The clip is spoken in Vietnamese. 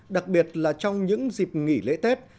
đặc biệt là trong những dịp nghỉ lễ tết